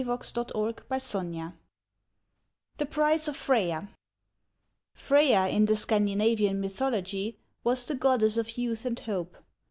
76 &HE PRICE OF FREYA THE PRICE OF FREYA [Freya, in the Scandinavian mythology, was the goddess of Youth and Hope.